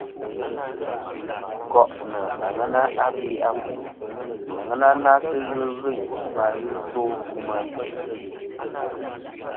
Ghɨ li koʼ nɨ aŋena abe afu, aŋena na sɨ ghɨ lvɨyn ma ghɨ to meyn.